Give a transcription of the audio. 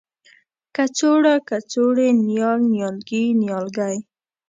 کڅوړه ، کڅوړې ،نیال، نيالګي، نیالګی